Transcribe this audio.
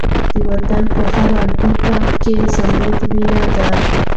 د وطن په هره لوټه کې زموږ وینه ده.